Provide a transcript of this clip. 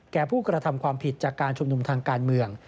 ผู้กระทำความผิดจากการชุมนุมทางการเมือง